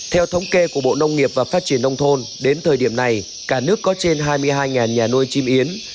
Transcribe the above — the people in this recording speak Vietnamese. theo thống kê của bộ nông nghiệp và phát triển nông thôn đến thời điểm này cả nước có trên hai mươi hai nhà nuôi chim yến